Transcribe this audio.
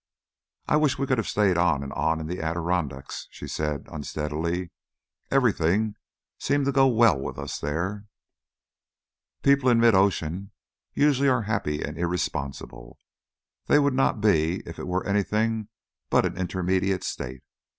"I wish we could have stayed on and on in the Adirondacks," she said unsteadily. "Everything seemed to go well with us there." "People in mid ocean usually are happy and irresponsible. They would not be if it were anything but an intermediate state.